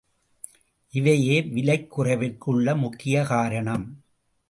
இவையே விலைக் குறைவிற்கு உள்ள முக்கிய காரணம்.